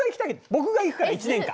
僕が行くから１年間。